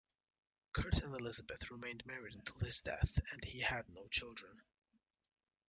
Kurt and Elisabeth remained married until his death, and he had no children.